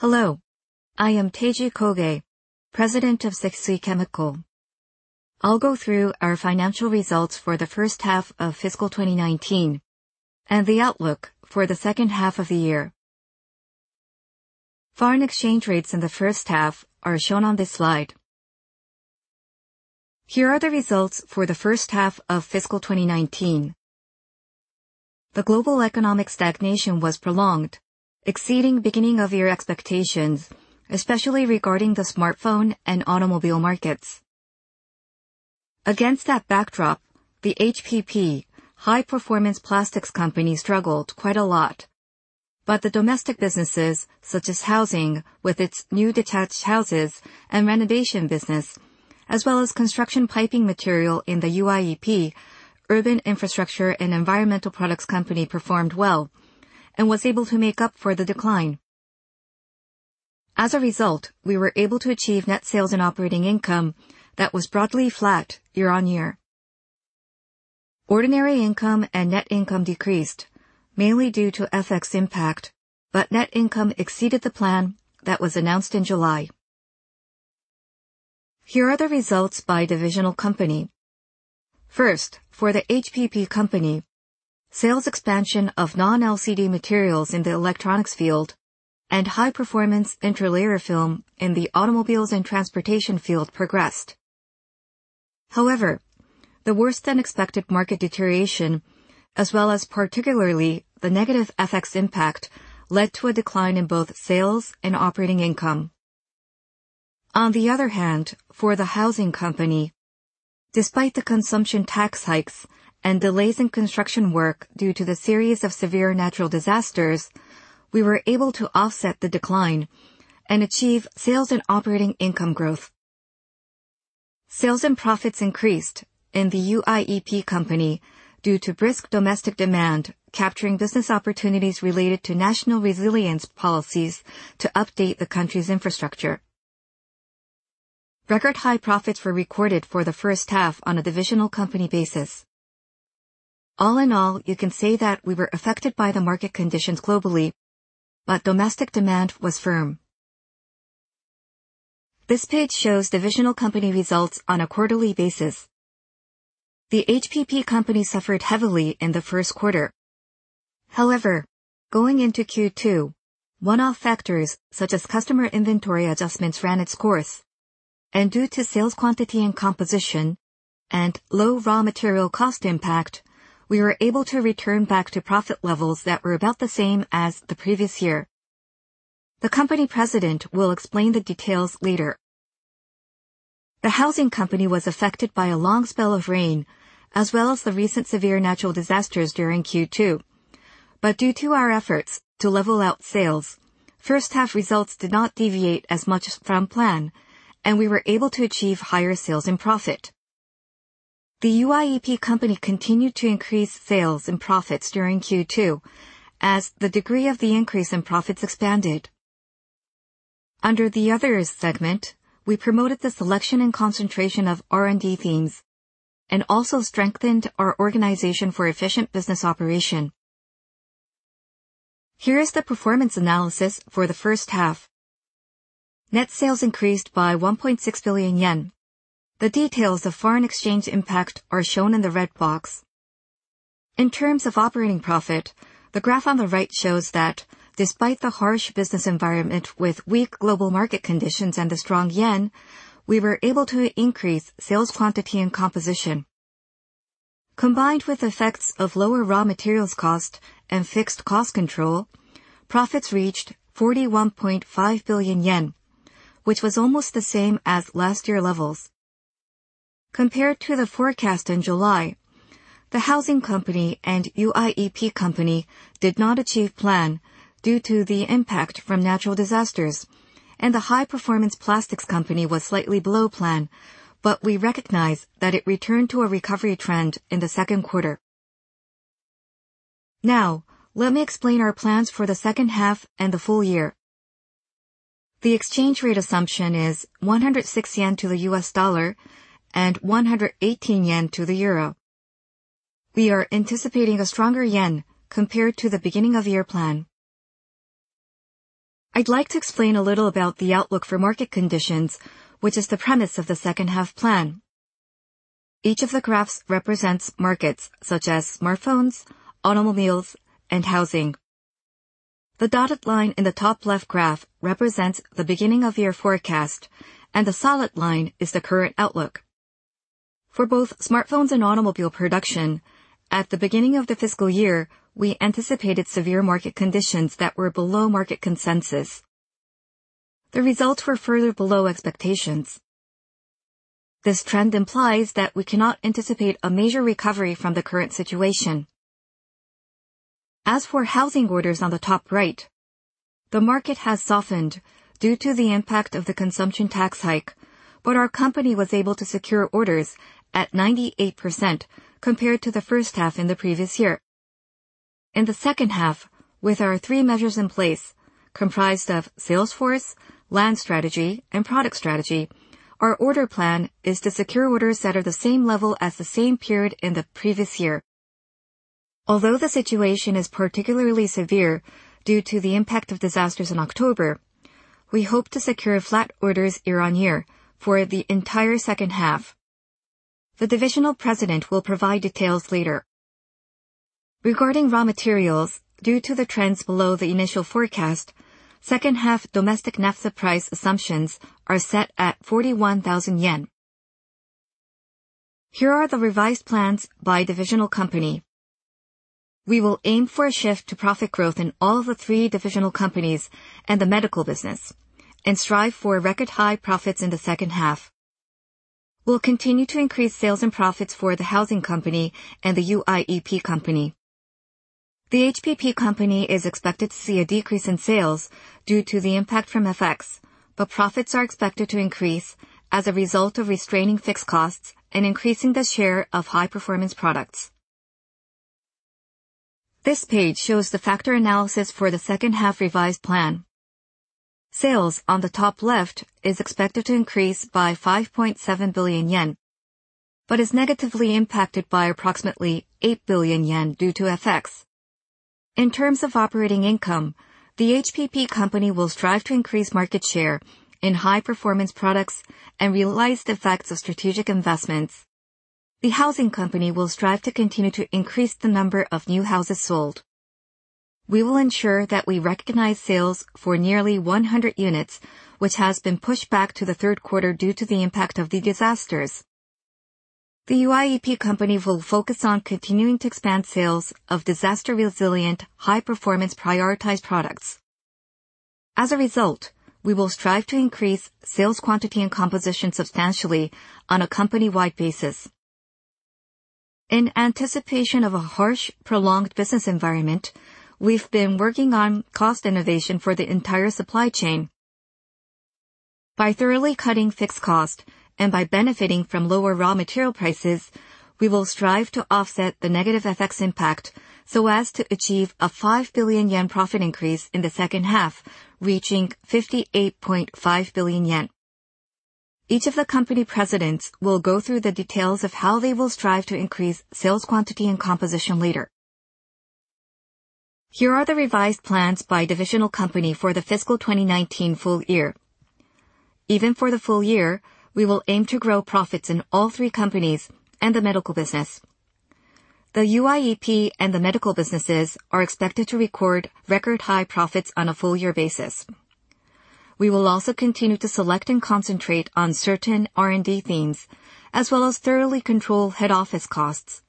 Hello. I am Teiji Koge, President of Sekisui Chemical. I'll go through our financial results for the first half of fiscal 2019, and the outlook for the second half of the year. Foreign exchange rates in the first half are shown on this slide. Here are the results for the first half of fiscal 2019. The global economic stagnation was prolonged, exceeding beginning-of-year expectations, especially regarding the smartphone and automobile markets. Against that backdrop, the HPP, High Performance Plastics Company struggled quite a lot, but the domestic businesses such as housing with its new detached houses and renovation business, as well as construction piping material in the UIEP, Urban Infrastructure and Environmental Products Company, performed well and was able to make up for the decline. As a result, we were able to achieve net sales and operating income that was broadly flat year-on-year. Ordinary income and net income decreased mainly due to FX impact. Net income exceeded the plan that was announced in July. Here are the results by divisional company. First, for the HPP Company, sales expansion of non-LCD materials in the electronics field and high-performance interlayer film in the automobiles and transportation field progressed. The worse-than-expected market deterioration, as well as particularly the negative FX impact, led to a decline in both sales and operating income. For the Housing Company, despite the consumption tax hikes and delays in construction work due to the series of severe natural disasters, we were able to offset the decline and achieve sales and operating income growth. Sales and profits increased in the UIEP Company due to brisk domestic demand capturing business opportunities related to national resilience policies to update the country's infrastructure. Record-high profits were recorded for the first half on a divisional company basis. All in all, you can say that we were affected by the market conditions globally, but domestic demand was firm. This page shows divisional company results on a quarterly basis. The HPP Company suffered heavily in the first quarter. However, going into Q2, one-off factors such as customer inventory adjustments ran its course, and due to sales quantity and composition and low raw material cost impact, we were able to return back to profit levels that were about the same as the previous year. The company president will explain the details later. The Housing Company was affected by a long spell of rain, as well as the recent severe natural disasters during Q2. Due to our efforts to level out sales, first-half results did not deviate as much from plan, and we were able to achieve higher sales and profit. The UIEP Company continued to increase sales and profits during Q2 as the degree of the increase in profits expanded. Under the Others segment, we promoted the selection and concentration of R&D themes and also strengthened our organization for efficient business operation. Here is the performance analysis for the first half. Net sales increased by 1.6 billion yen. The details of foreign exchange impact are shown in the red box. In terms of operating profit, the graph on the right shows that despite the harsh business environment with weak global market conditions and the strong yen, we were able to increase sales quantity and composition. Combined with effects of lower raw materials cost and fixed cost control, profits reached ¥41.5 billion, which was almost the same as last year levels. Compared to the forecast in July, the Housing Company and UIEP Company did not achieve plan due to the impact from natural disasters, and the High Performance Plastics Company was slightly below plan, but we recognize that it returned to a recovery trend in the second quarter. Now, let me explain our plans for the second half and the full year. The exchange rate assumption is ¥106 to the US dollar and ¥118 to the euro. We are anticipating a stronger yen compared to the beginning-of-year plan. I'd like to explain a little about the outlook for market conditions, which is the premise of the second half plan. Each of the graphs represents markets such as smartphones, automobiles, and housing. The dotted line in the top left graph represents the beginning-of-year forecast, and the solid line is the current outlook. For both smartphones and automobile production, at the beginning of the fiscal year, we anticipated severe market conditions that were below market consensus. The results were further below expectations. This trend implies that we cannot anticipate a major recovery from the current situation. As for housing orders on the top right, the market has softened due to the impact of the consumption tax hike, but our company was able to secure orders at 98% compared to the first half in the previous year. In the second half, with our three measures in place, comprised of sales force, land strategy, and product strategy, our order plan is to secure orders that are the same level as the same period in the previous year. The situation is particularly severe due to the impact of disasters in October, we hope to secure flat orders year-on-year for the entire second half. The divisional president will provide details later. Regarding raw materials, due to the trends below the initial forecast, second half domestic naphtha price assumptions are set at 41,000 yen. Here are the revised plans by divisional company. We will aim for a shift to profit growth in all the three divisional companies and the medical business, and strive for record high profits in the second half. We'll continue to increase sales and profits for the Housing Company and the UIEP Company. The HPP Company is expected to see a decrease in sales due to the impact from FX, but profits are expected to increase as a result of restraining fixed costs and increasing the share of high-performance products. This page shows the factor analysis for the second half revised plan. Sales, on the top left, is expected to increase by 5.7 billion yen, but is negatively impacted by approximately 8 billion yen due to FX. In terms of operating income, the HPP Company will strive to increase market share in high-performance products and realize the effects of strategic investments. The Housing Company will strive to continue to increase the number of new houses sold. We will ensure that we recognize sales for nearly 100 units, which has been pushed back to the third quarter due to the impact of the disasters. The UIEP Company will focus on continuing to expand sales of disaster-resilient, high-performance prioritized products. As a result, we will strive to increase sales quantity and composition substantially on a company-wide basis. In anticipation of a harsh, prolonged business environment, we've been working on cost innovation for the entire supply chain. By thoroughly cutting fixed cost and by benefiting from lower raw material prices, we will strive to offset the negative FX impact so as to achieve a 5 billion yen profit increase in the second half, reaching 58.5 billion yen. Each of the company presidents will go through the details of how they will strive to increase sales quantity and composition later. Here are the revised plans by divisional company for the fiscal 2019 full year. Even for the full year, we will aim to grow profits in all three companies and the medical business. The UIEP and the medical businesses are expected to record high profits on a full year basis. We will also continue to select and concentrate on certain R&D themes, as well as thoroughly control head office costs.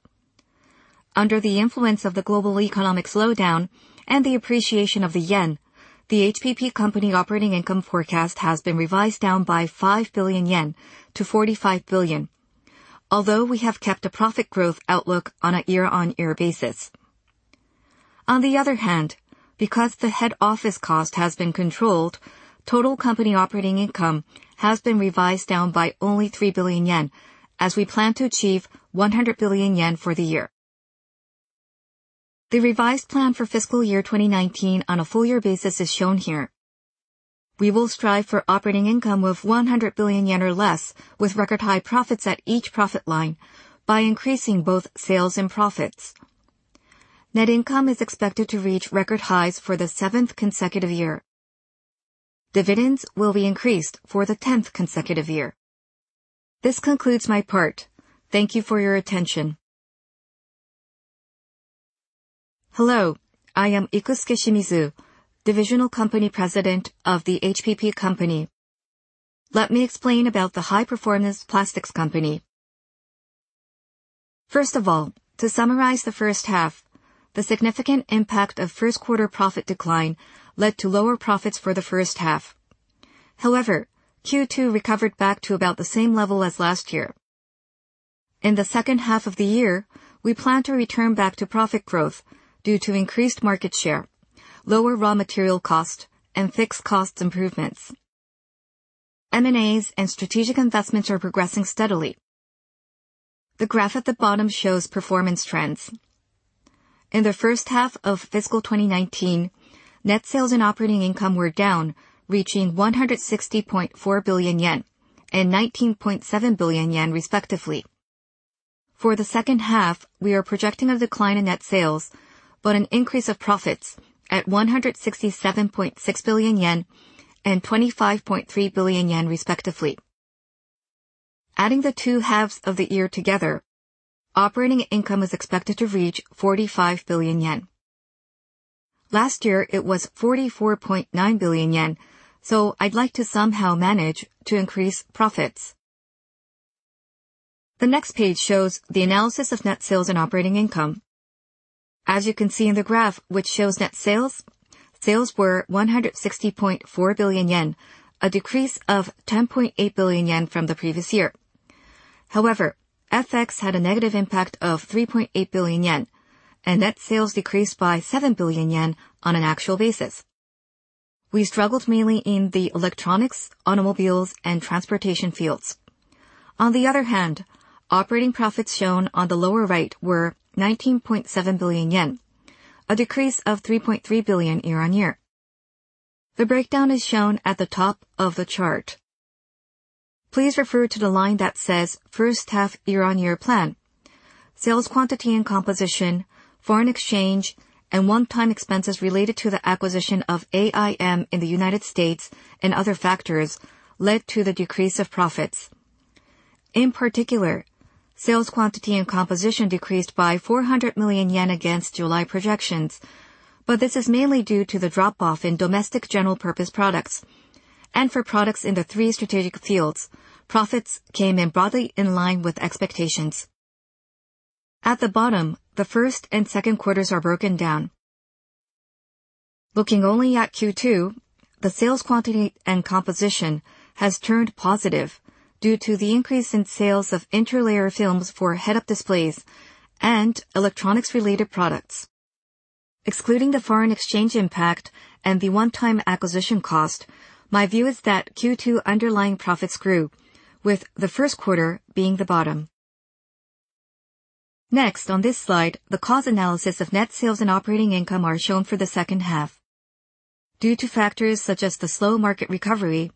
Under the influence of the global economic slowdown and the appreciation of the yen, the HPP Company operating income forecast has been revised down by 5 billion yen to 45 billion, although we have kept a profit growth outlook on a year-on-year basis. On the other hand, because the head office cost has been controlled, total company operating income has been revised down by only 3 billion yen, as we plan to achieve 100 billion yen for the year. The revised plan for fiscal year 2019 on a full year basis is shown here. We will strive for operating income of ¥100 billion or less, with record high profits at each profit line by increasing both sales and profits. Net income is expected to reach record highs for the seventh consecutive year. Dividends will be increased for the tenth consecutive year. This concludes my part. Thank you for your attention. Hello, I am Ikusuke Shimizu, Divisional Company President of the HPP Company. Let me explain about the High Performance Plastics Company. First of all, to summarize the first half, the significant impact of first quarter profit decline led to lower profits for the first half. Q2 recovered back to about the same level as last year. In the second half of the year, we plan to return back to profit growth due to increased market share, lower raw material cost, and fixed cost improvements. M&As and strategic investments are progressing steadily. The graph at the bottom shows performance trends. In the first half of fiscal 2019, net sales and operating income were down, reaching 160.4 billion yen and 19.7 billion yen respectively. For the second half, we are projecting a decline in net sales, an increase of profits at 167.6 billion yen and 25.3 billion yen respectively. Adding the two halves of the year together, operating income is expected to reach 45 billion yen. Last year it was 44.9 billion yen, I'd like to somehow manage to increase profits. The next page shows the analysis of net sales and operating income. As you can see in the graph which shows net sales were 160.4 billion yen, a decrease of 10.8 billion yen from the previous year. However, FX had a negative impact of 3.8 billion yen, and net sales decreased by 7 billion yen on an actual basis. We struggled mainly in the electronics, automobiles, and transportation fields. On the other hand, operating profits shown on the lower right were 19.7 billion yen, a decrease of 3.3 billion year-on-year. The breakdown is shown at the top of the chart. Please refer to the line that says first half year-on-year plan. Sales quantity and composition, foreign exchange, and one-time expenses related to the acquisition of AIM in the U.S. and other factors led to the decrease of profits. In particular, sales quantity and composition decreased by 400 million yen against July projections, but this is mainly due to the drop-off in domestic general purpose products. For products in the three strategic fields, profits came in broadly in line with expectations. At the bottom, the first and second quarters are broken down. Looking only at Q2, the sales quantity and composition has turned positive due to the increase in sales of interlayer films for head-up displays and electronics-related products. Excluding the foreign exchange impact and the one-time acquisition cost, my view is that Q2 underlying profits grew, with the first quarter being the bottom. On this slide, the cause analysis of net sales and operating income are shown for the second half. Due to factors such as the slow market recovery,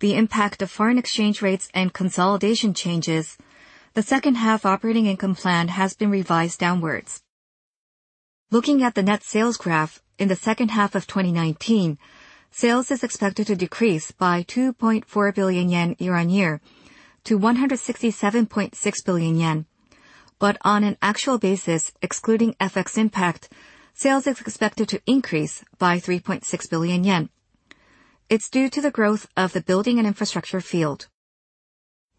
the impact of foreign exchange rates and consolidation changes, the second half operating income plan has been revised downwards. Looking at the net sales graph in the second half of 2019, sales is expected to decrease by 2.4 billion yen year-over-year to 167.6 billion yen. On an actual basis, excluding FX impact, sales is expected to increase by 3.6 billion yen. It's due to the growth of the building and infrastructure field.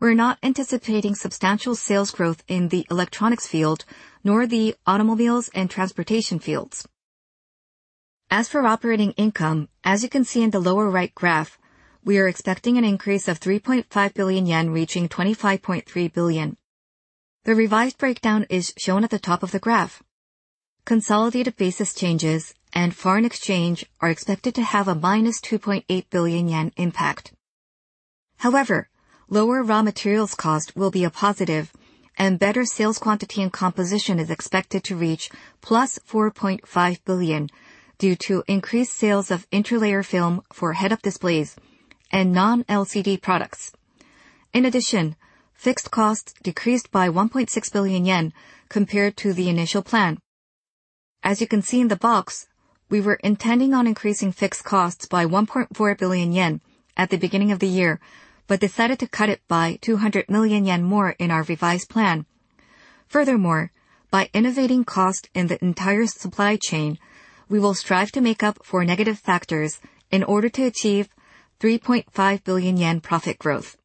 We're not anticipating substantial sales growth in the electronics field, nor the automobiles and transportation fields. As for operating income, as you can see in the lower right graph, we are expecting an increase of 3.5 billion yen reaching 25.3 billion. The revised breakdown is shown at the top of the graph. Consolidated basis changes and foreign exchange are expected to have a -2.8 billion yen impact. However, lower raw materials cost will be a positive and better sales quantity and composition is expected to reach +4.5 billion due to increased sales of interlayer film for head-up displays and non-LCD products. In addition, fixed costs decreased by 1.6 billion yen compared to the initial plan. As you can see in the box, we were intending on increasing fixed costs by 1.4 billion yen at the beginning of the year, but decided to cut it by 200 million yen more in our revised plan. Furthermore, by innovating cost in the entire supply chain, we will strive to make up for negative factors in order to achieve 3.5 billion yen profit growth.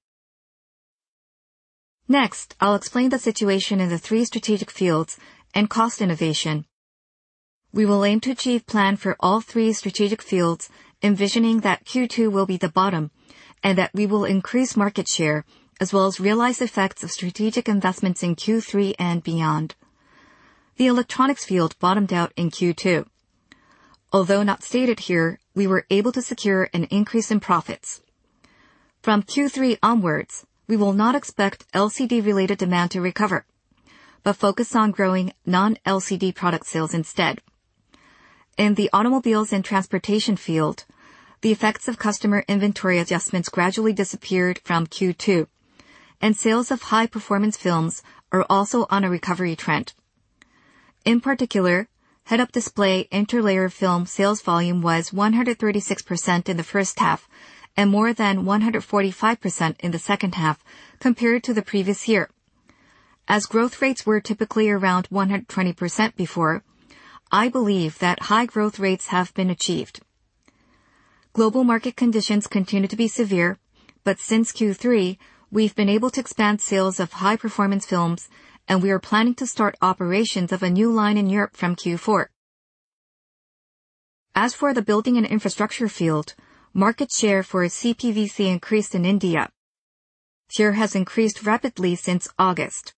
Next, I'll explain the situation in the three strategic fields and cost innovation. We will aim to achieve plan for all three strategic fields, envisioning that Q2 will be the bottom and that we will increase market share as well as realize effects of strategic investments in Q3 and beyond. The electronics field bottomed out in Q2. Although not stated here, we were able to secure an increase in profits. From Q3 onwards, we will not expect LCD-related demand to recover, but focus on growing non-LCD product sales instead. In the automobiles and transportation field, the effects of customer inventory adjustments gradually disappeared from Q2, and sales of high-performance films are also on a recovery trend. In particular, head-up display interlayer film sales volume was 136% in the first half and more than 145% in the second half compared to the previous year. As growth rates were typically around 120% before, I believe that high growth rates have been achieved. Global market conditions continue to be severe, but since Q3, we've been able to expand sales of high-performance films, and we are planning to start operations of a new line in Europe from Q4. As for the building and infrastructure field, market share for CPVC increased in India. Share has increased rapidly since August.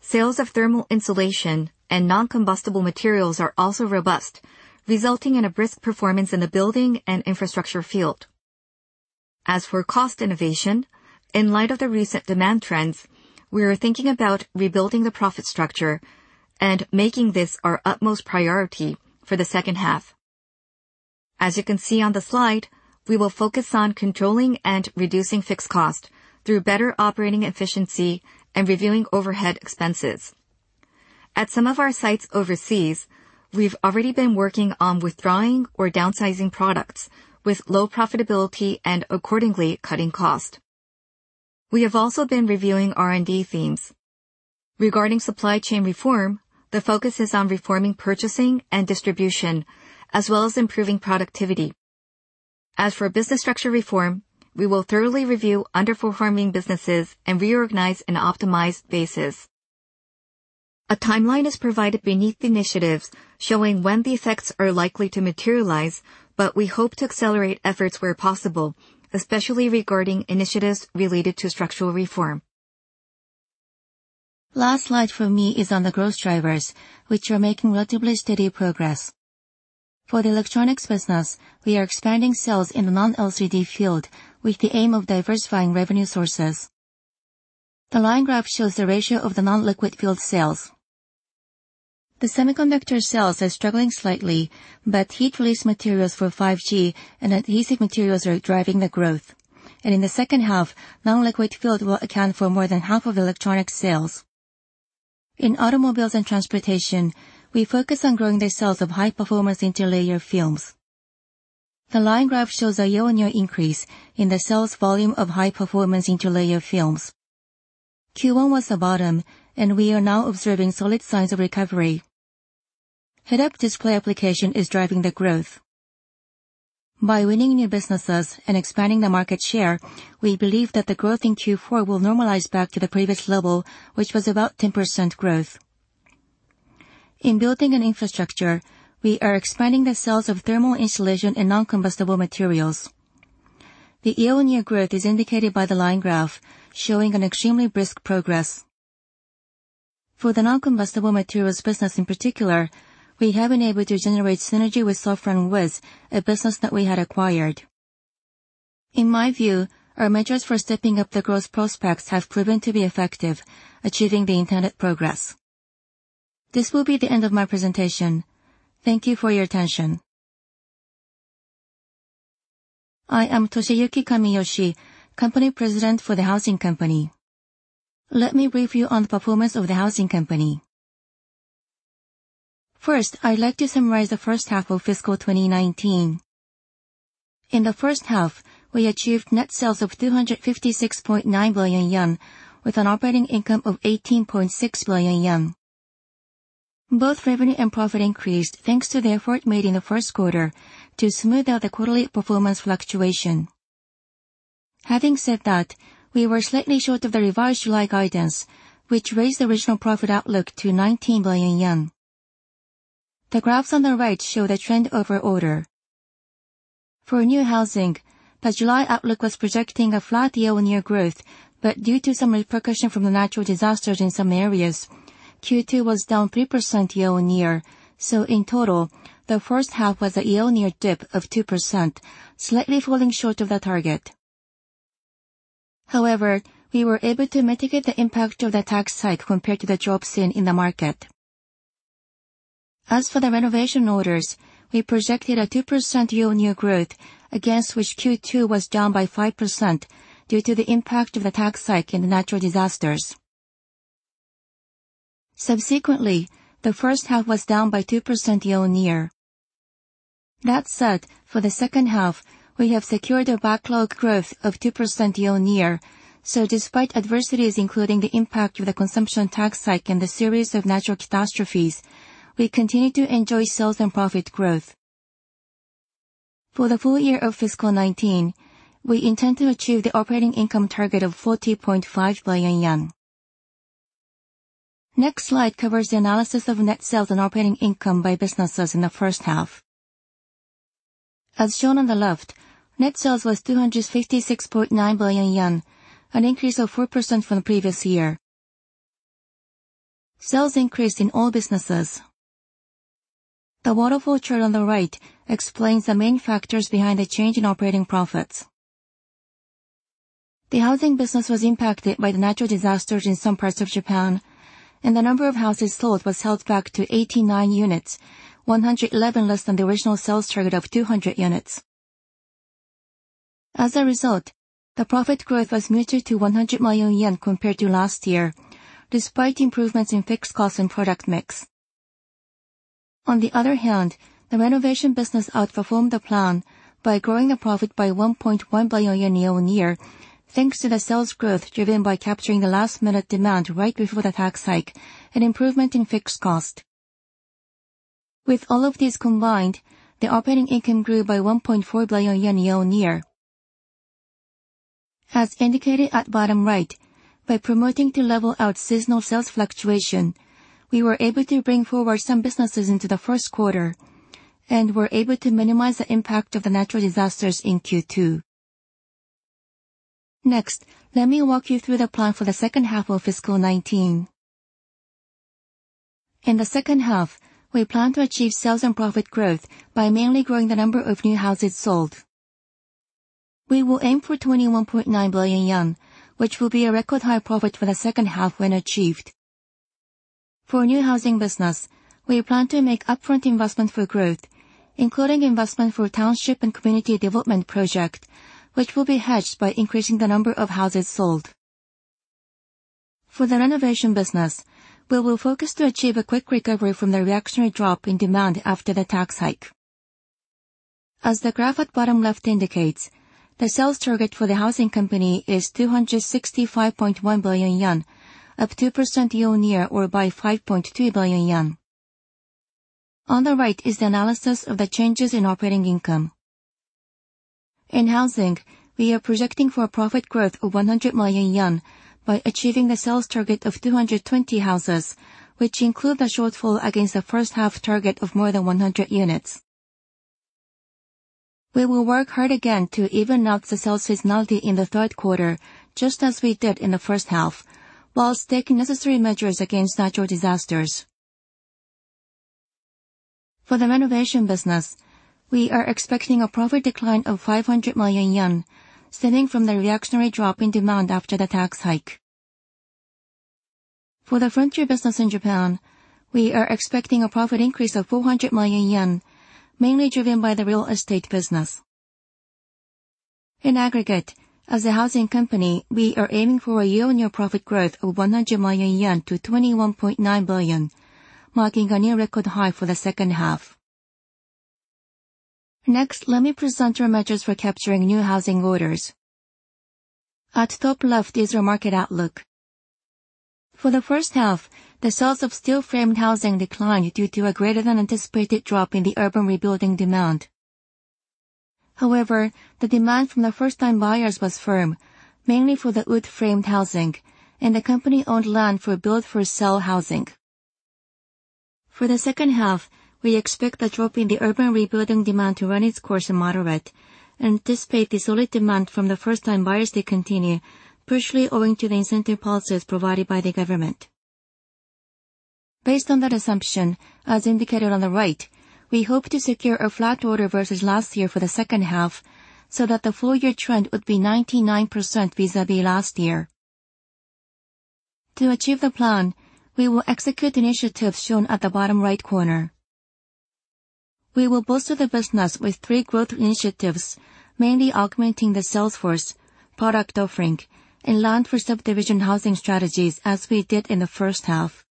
Sales of thermal insulation and non-combustible materials are also robust, resulting in a brisk performance in the building and infrastructure field. As for cost innovation, in light of the recent demand trends, we are thinking about rebuilding the profit structure and making this our utmost priority for the second half. As you can see on the slide, we will focus on controlling and reducing fixed cost through better operating efficiency and reviewing overhead expenses. At some of our sites overseas, we've already been working on withdrawing or downsizing products with low profitability and accordingly cutting cost. We have also been reviewing R&D themes. Regarding supply chain reform, the focus is on reforming purchasing and distribution, as well as improving productivity. As for business structure reform, we will thoroughly review underperforming businesses and reorganize an optimized basis. A timeline is provided beneath initiatives showing when the effects are likely to materialize, but we hope to accelerate efforts where possible, especially regarding initiatives related to structural reform. Last slide from me is on the growth drivers, which are making relatively steady progress. For the electronics business, we are expanding sales in the non-LCD field with the aim of diversifying revenue sources. The line graph shows the ratio of the non-LCD field sales. The semiconductor sales are struggling slightly. Heat-release materials for 5G and adhesive materials are driving the growth. In the second half, non-LCD field will account for more than half of electronic sales. In automobiles and transportation, we focus on growing the sales of high-performance interlayer films. The line graph shows a year-on-year increase in the sales volume of high-performance interlayer films. Q1 was the bottom. We are now observing solid signs of recovery. Head-up display application is driving the growth. By winning new businesses and expanding the market share, we believe that the growth in Q4 will normalize back to the previous level, which was about 10% growth. In building an infrastructure, we are expanding the sales of thermal insulation and non-combustible materials. The year-on-year growth is indicated by the line graph, showing an extremely brisk progress. For the non-combustible materials business in particular, we have been able to generate synergy with SoflanWiz, a business that we had acquired. In my view, our measures for stepping up the growth prospects have proven to be effective, achieving the intended progress. This will be the end of my presentation. Thank you for your attention. I am Toshiyuki Kamiyoshi, company President for the Housing Company. Let me brief you on the performance of the Housing Company. First, I'd like to summarize the first half of fiscal 2019. In the first half, we achieved net sales of 256.9 billion yen, with an operating income of 18.6 billion yen. Both revenue and profit increased, thanks to the effort made in the first quarter to smooth out the quarterly performance fluctuation. Having said that, we were slightly short of the revised July guidance, which raised the original profit outlook to 19 billion yen. The graphs on the right show the trend over order. For new housing, the July outlook was projecting a flat year-on-year growth, due to some repercussion from the natural disasters in some areas, Q2 was down 3% year-on-year. In total, the first half was a year-on-year dip of 2%, slightly falling short of the target. However, we were able to mitigate the impact of the tax hike compared to the drops seen in the market. As for the renovation orders, we projected a 2% year-on-year growth, against which Q2 was down by 5% due to the impact of the tax hike and the natural disasters. Subsequently, the first half was down by 2% year-on-year. That said, for the second half, we have secured a backlog growth of 2% year-on-year. Despite adversities, including the impact of the consumption tax hike and the series of natural catastrophes, we continue to enjoy sales and profit growth. For the full year of fiscal 2019, we intend to achieve the operating income target of 40.5 billion yen. Next slide covers the analysis of net sales and operating income by businesses in the first half. As shown on the left, net sales was 256.9 billion yen, an increase of 4% from the previous year. Sales increased in all businesses. The waterfall chart on the right explains the main factors behind the change in operating profits. The Housing business was impacted by the natural disasters in some parts of Japan, and the number of houses sold was held back to 89 units, 111 less than the original sales target of 200 units. As a result, the profit growth was muted to 100 million yen compared to last year, despite improvements in fixed costs and product mix. On the other hand, the renovation business outperformed the plan by growing the profit by 1.1 billion yen year-on-year, thanks to the sales growth driven by capturing the last-minute demand right before the tax hike, an improvement in fixed cost. With all of these combined, the operating income grew by 1.4 billion yen year-on-year. As indicated at bottom right, by promoting to level out seasonal sales fluctuation, we were able to bring forward some businesses into the first quarter and were able to minimize the impact of the natural disasters in Q2. Next, let me walk you through the plan for the second half of fiscal 2019. In the second half, we plan to achieve sales and profit growth by mainly growing the number of new houses sold. We will aim for 21.9 billion yen, which will be a record high profit for the second half when achieved. For new housing business, we plan to make upfront investment for growth, including investment for township and community development project, which will be hedged by increasing the number of houses sold. For the renovation business, we will focus to achieve a quick recovery from the reactionary drop in demand after the tax hike. As the graph at bottom left indicates, the sales target for the Housing Company is 265.1 billion yen, up 2% year-on-year, or by 5.2 billion yen. On the right is the analysis of the changes in operating income. In housing, we are projecting for a profit growth of 100 million yen by achieving the sales target of 220 houses, which include the shortfall against the first-half target of more than 100 units. We will work hard again to even out the sales seasonality in the third quarter, just as we did in the first half, while taking necessary measures against natural disasters. For the renovation business, we are expecting a profit decline of 500 million yen stemming from the reactionary drop in demand after the tax hike. For the frontier business in Japan, we are expecting a profit increase of 400 million yen, mainly driven by the real estate business. In aggregate, as a Housing Company, we are aiming for a year-on-year profit growth of 100 million yen to 21.9 billion, marking a new record high for the second half. Next, let me present our measures for capturing new housing orders. At top left is our market outlook. For the first half, the sales of steel-framed housing declined due to a greater than anticipated drop in the urban rebuilding demand. However, the demand from the first-time buyers was firm, mainly for the wood-framed housing and the company-owned land for build-for-sell housing. For the second half, we expect the drop in the urban rebuilding demand to run its course and moderate, anticipate the solid demand from the first-time buyers to continue, partially owing to the incentive policies provided by the government. Based on that assumption, as indicated on the right, we hope to secure a flat order versus last year for the second half so that the full-year trend would be 99% vis-à-vis last year. To achieve the plan, we will execute initiatives shown at the bottom right corner. We will bolster the business with three growth initiatives, mainly augmenting the sales force, product offering, and land for subdivision housing strategies as we did in the first half.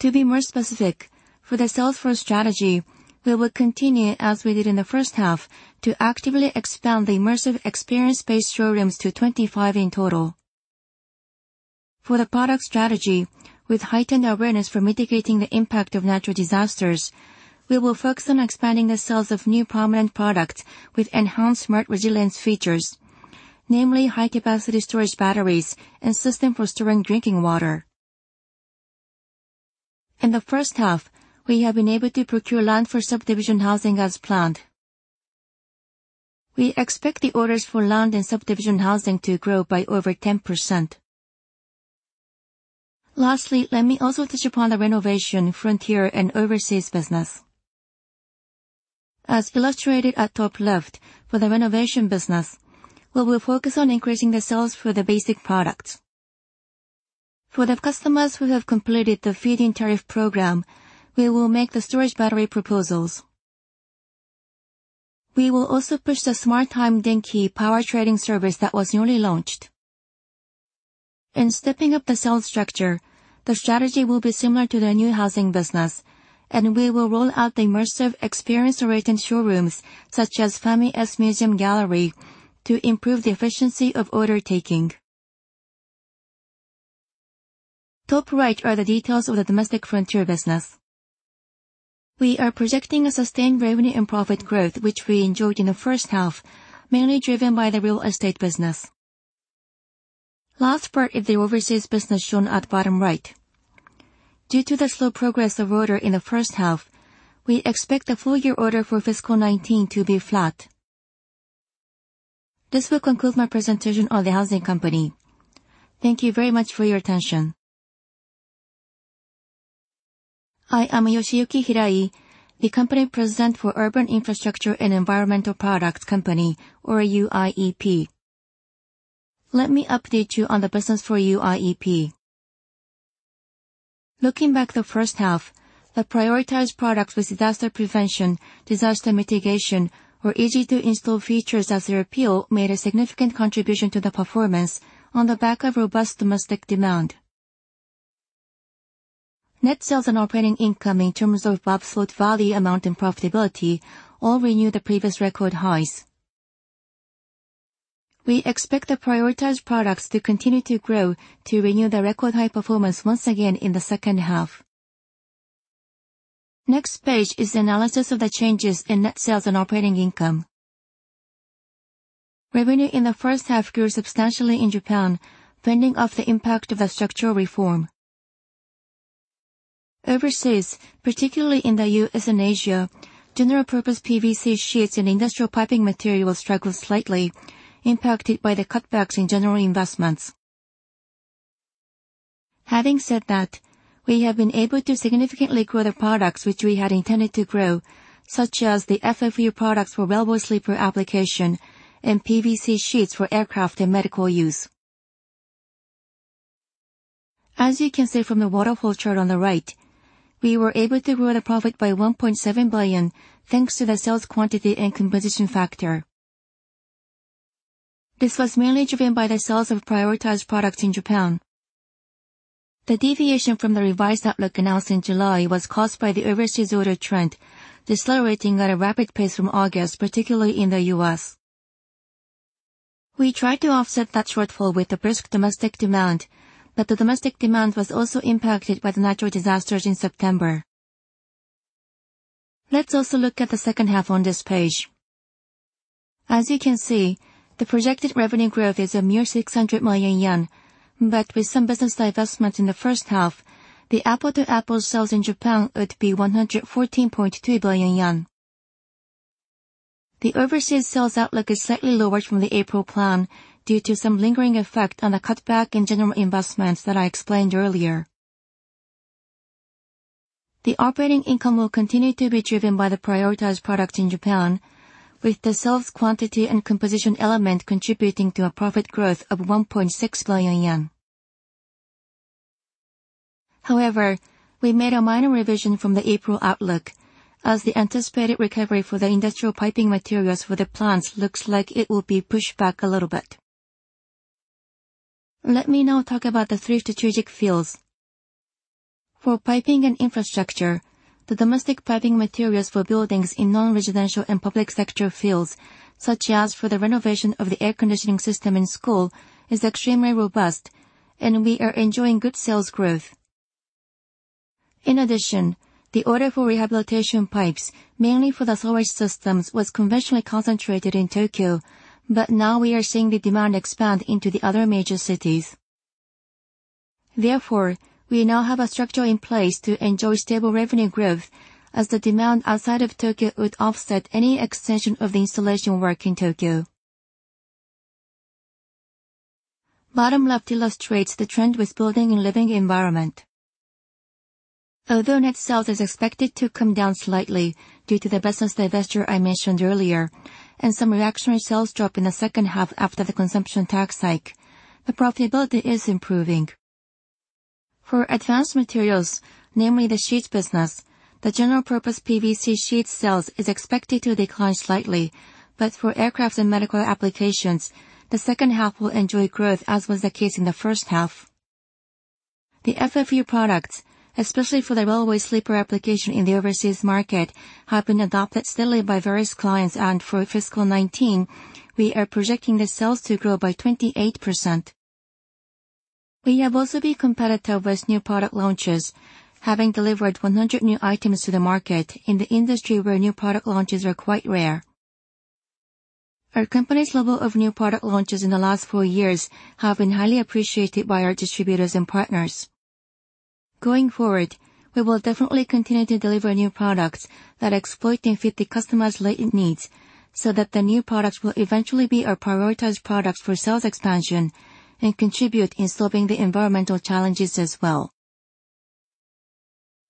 To be more specific, for the sales force strategy, we will continue as we did in the first half to actively expand the immersive experience-based showrooms to 25 in total. For the product strategy, with heightened awareness for mitigating the impact of natural disasters, we will focus on expanding the sales of new prominent products with enhanced smart resilience features, namely high capacity storage batteries and system for storing drinking water. In the first half, we have been able to procure land for subdivision housing as planned. We expect the orders for land and subdivision housing to grow by over 10%. Let me also touch upon the renovation frontier and overseas business. As illustrated at top left, for the renovation business, we will focus on increasing the sales for the basic products. For the customers who have completed the feed-in tariff program, we will make the storage battery proposals. We will also push the Smart Heim Denki power trading service that was newly launched. In stepping up the sales structure, the strategy will be similar to the new housing business. We will roll out the immersive experience-oriented showrooms such as Famides Museum & Gallery to improve the efficiency of order taking. Top right are the details of the domestic frontier business. We are projecting a sustained revenue and profit growth, which we enjoyed in the first half, mainly driven by the real estate business. Last part is the overseas business shown at bottom right. Due to the slow progress of order in the first half, we expect the full year order for fiscal 2019 to be flat. This will conclude my presentation on the Housing Company. Thank you very much for your attention. I am Yoshiyuki Hirai, the Company President for Urban Infrastructure and Environmental Products Company, or UIEP. Let me update you on the business for UIEP. Looking back the first half, the prioritized products with disaster prevention, disaster mitigation, or easy-to-install features as their appeal made a significant contribution to the performance on the back of robust domestic demand. Net sales and operating income in terms of absolute value amount and profitability all renew the previous record highs. We expect the prioritized products to continue to grow to renew the record high performance once again in the second half. Next page is the analysis of the changes in net sales and operating income. Revenue in the first half grew substantially in Japan, fending off the impact of the structural reform. Overseas, particularly in the U.S. and Asia, general purpose PVC sheets and industrial piping material struggled slightly, impacted by the cutbacks in general investments. Having said that, we have been able to significantly grow the products which we had intended to grow, such as the FFU products for railway sleeper application and PVC sheets for aircraft and medical use. As you can see from the waterfall chart on the right, we were able to grow the profit by 1.7 billion, thanks to the sales quantity and composition factor. This was mainly driven by the sales of prioritized products in Japan. The deviation from the revised outlook announced in July was caused by the overseas order trend, decelerating at a rapid pace from August, particularly in the U.S. We tried to offset that shortfall with the brisk domestic demand. The domestic demand was also impacted by the natural disasters in September. Let's also look at the second half on this page. As you can see, the projected revenue growth is a mere 600 million yen. With some business divestments in the first half, the apple to apple sales in Japan would be 114.2 billion yen. The overseas sales outlook is slightly lowered from the April plan due to some lingering effect on the cutback in general investments that I explained earlier. The operating income will continue to be driven by the prioritized products in Japan, with the sales quantity and composition element contributing to a profit growth of 1.6 billion yen. We made a minor revision from the April outlook as the anticipated recovery for the industrial piping materials for the plants looks like it will be pushed back a little bit. Let me now talk about the three strategic fields. For piping and infrastructure, the domestic piping materials for buildings in non-residential and public sector fields, such as for the renovation of the air conditioning system in school, is extremely robust and we are enjoying good sales growth. The order for rehabilitation pipes, mainly for the sewage systems, was conventionally concentrated in Tokyo, but now we are seeing the demand expand into the other major cities. Therefore, we now have a structure in place to enjoy stable revenue growth as the demand outside of Tokyo would offset any extension of the installation work in Tokyo. Bottom left illustrates the trend with building and living environment. Although net sales is expected to come down slightly due to the business divestiture I mentioned earlier, and some reactionary sales drop in the second half after the consumption tax hike, the profitability is improving. For advanced materials, namely the sheets business, the general purpose PVC sheet sales is expected to decline slightly, but for aircraft and medical applications, the second half will enjoy growth, as was the case in the first half. The FFU products, especially for the railway sleeper application in the overseas market, have been adopted steadily by various clients and for fiscal 2019, we are projecting the sales to grow by 28%. We have also been competitive with new product launches, having delivered 100 new items to the market in the industry where new product launches are quite rare. Our company's level of new product launches in the last four years have been highly appreciated by our distributors and partners. Going forward, we will definitely continue to deliver new products that exploit and fit the customers' latent needs so that the new products will eventually be our prioritized products for sales expansion and contribute in solving the environmental challenges as well.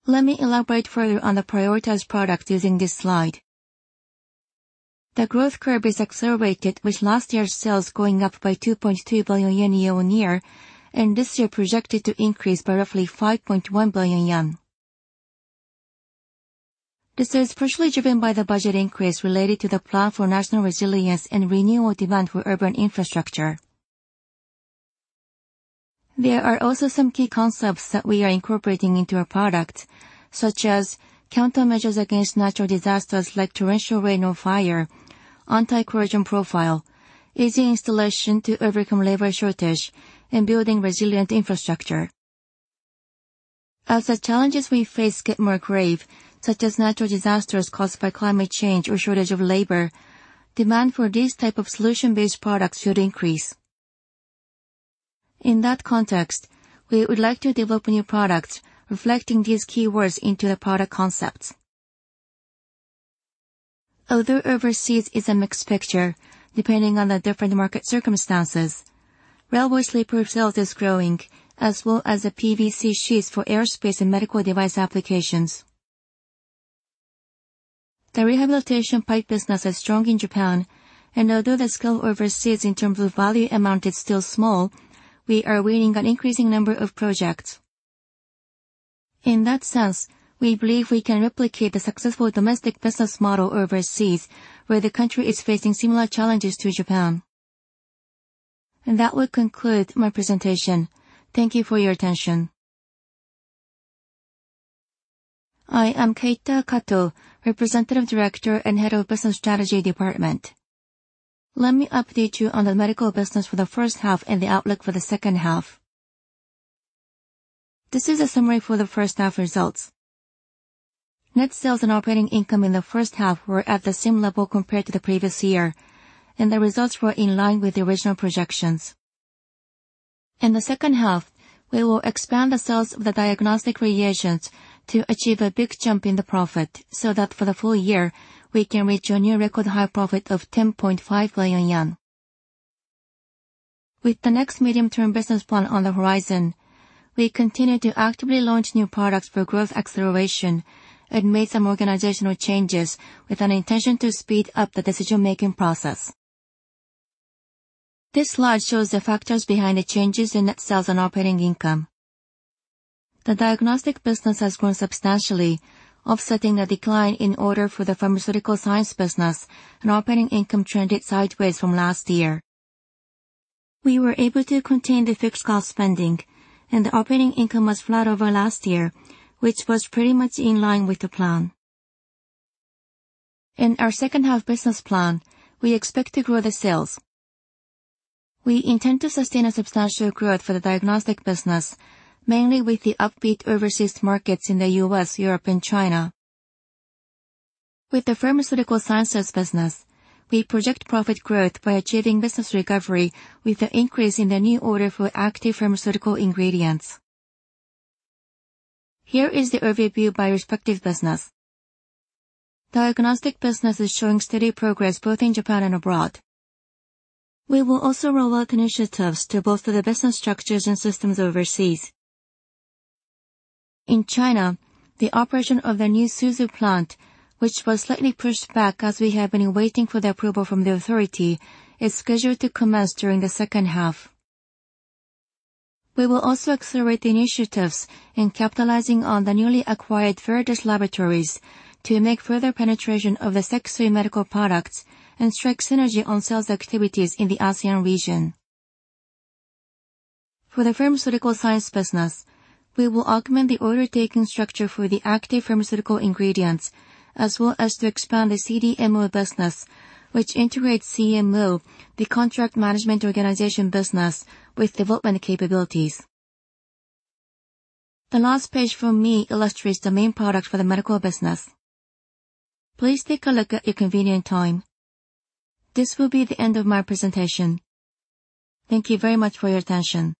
Let me elaborate further on the prioritized product using this slide. The growth curve is accelerated, with last year's sales going up by 2.2 billion yen year-on-year, and this year projected to increase by roughly 5.1 billion yen. This is partially driven by the budget increase related to the plan for national resilience and renewal demand for urban infrastructure. There are also some key concepts that we are incorporating into our product, such as countermeasures against natural disasters like torrential rain or fire, anti-corrosion profile, easy installation to overcome labor shortage, and building resilient infrastructure. As the challenges we face get more grave, such as natural disasters caused by climate change or shortage of labor, demand for these type of solution-based products should increase. In that context, we would like to develop new products reflecting these keywords into a product concept. Although overseas is a mixed picture, depending on the different market circumstances, railway sleeper sales is growing, as well as the PVC sheets for aerospace and medical device applications. The rehabilitation pipe business is strong in Japan, and although the scale overseas in terms of value amount is still small, we are winning an increasing number of projects. In that sense, we believe we can replicate the successful domestic business model overseas, where the country is facing similar challenges to Japan. That will conclude my presentation. Thank you for your attention. I am Keita Kato, Representative Director and Head of Business Strategy Department. Let me update you on the medical business for the first half and the outlook for the second half. This is a summary for the first half results. Net sales and operating income in the first half were at the same level compared to the previous year, and the results were in line with the original projections. In the second half, we will expand the sales of the diagnostic reagents to achieve a big jump in the profit, so that for the full year we can reach a new record high profit of 10.5 billion yen. With the next medium-term business plan on the horizon, we continue to actively launch new products for growth acceleration and made some organizational changes with an intention to speed up the decision-making process. This slide shows the factors behind the changes in net sales and operating income. The diagnostic business has grown substantially, offsetting a decline in order for the pharmaceutical science business and operating income trended sideways from last year. We were able to contain the fixed cost spending and the operating income was flat over last year, which was pretty much in line with the plan. In our second half business plan, we expect to grow the sales. We intend to sustain a substantial growth for the diagnostic business, mainly with the upbeat overseas markets in the U.S., Europe, and China. With the pharmaceutical sciences business, we project profit growth by achieving business recovery with the increase in the new order for active pharmaceutical ingredients. Here is the overview by respective business. Diagnostic business is showing steady progress both in Japan and abroad. We will also roll out initiatives to bolster the business structures and systems overseas. In China, the operation of the new Suzhou plant, which was slightly pushed back as we have been waiting for the approval from the authority, is scheduled to commence during the second half. We will also accelerate the initiatives in capitalizing on the newly acquired Veredus Laboratories to make further penetration of the Sekisui medical products and strike synergy on sales activities in the ASEAN region. For the pharmaceutical science business, we will augment the order taking structure for the active pharmaceutical ingredients as well as to expand the CDMO business, which integrates CMO, the contract management organization business, with development capabilities. The last page from me illustrates the main products for the medical business. Please take a look at your convenient time. This will be the end of my presentation. Thank you very much for your attention.